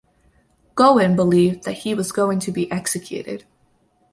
Gowon believed that he was going to be executed.